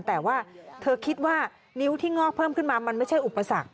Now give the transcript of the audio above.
แต่ว่าเธอคิดว่านิ้วที่งอกเพิ่มขึ้นมามันไม่ใช่อุปสรรค